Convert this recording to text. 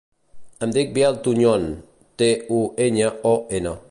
Em dic Biel Tuñon: te, u, enya, o, ena.